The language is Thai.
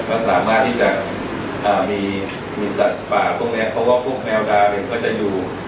ก็สามารถที่จะมีสัตว์ป่าพวกนี้เพราะว่าพวกแมวดาวเองก็จะอยู่